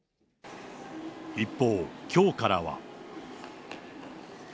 一方、きょうからは。